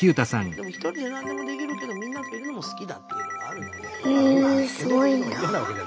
でもひとりで何でもできるけどみんなといるのも好きだっていうのがあるので。